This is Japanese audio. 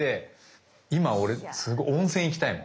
今俺すごい温泉行きたいもん。